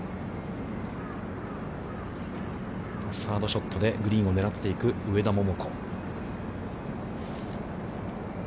サードショットでグリーンを狙っていく、上田桃子。